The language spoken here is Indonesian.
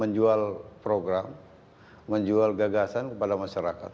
menjual program menjual gagasan kepada masyarakat